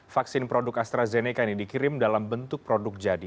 vaksin produk astrazeneca ini dikirim dalam bentuk produk jadi